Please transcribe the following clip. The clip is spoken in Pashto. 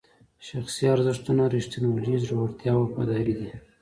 شخصي ارزښتونه ریښتینولي، زړورتیا او وفاداري دي.